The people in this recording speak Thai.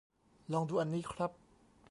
ลองดูอันนี้ครับ